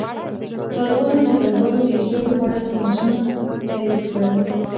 طالبانو د کډوالو د ایستلو په اړه تماسونه تایید کړل.